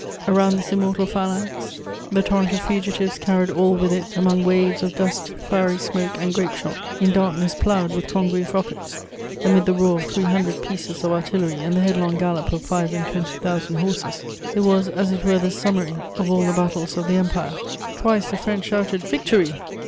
Around this immortal phalanx, the torrent of fugitives carried all with it among waves of dust, fiery smoke and grape shot, in darkness ploughed with congreve rockets, amid the roar of three hundred pieces of artillery and the headlong gallop of five and twenty thousand horses: it was as it were the summary of all the battles of the Empire. Twice the French shouted, "Victory!"